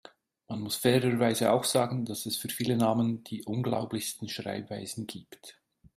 Man muss fairerweise auch sagen, dass es für viele Namen die unglaublichsten Schreibweisen gibt.